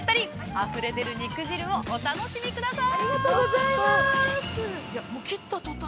あふれ出る肉汁をお楽しみください。